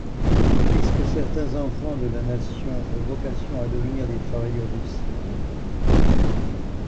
puisque certains enfants de la nation ont vocation à devenir des travailleurs dociles ?